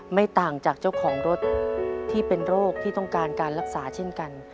ไม่ต่างจากเจ้าของรถที่เป็นโรคที่ต้องการการรักษาเช่นกัน